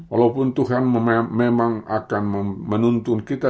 walaupun tuhan memang akan menuntun kita